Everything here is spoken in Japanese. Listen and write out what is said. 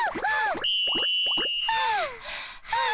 はあはあ。